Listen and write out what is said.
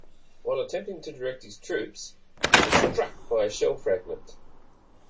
While attempting to direct his troops, he was struck by a shell fragment.